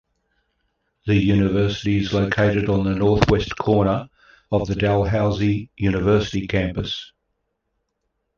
The university is located on the northwest corner of the Dalhousie University campus.